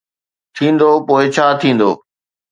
ٿيندو، پوءِ ڇا ٿيندو؟